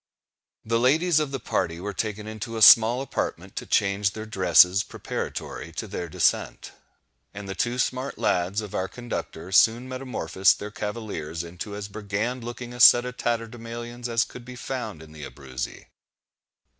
The ladies of the party were taken into a small apartment to change their dresses preparatory to their descent; and the two smart lads of our conductor soon metamorphosed their cavaliers into as brigand looking a set of tatterdemallions as could be found in the Abruzzi.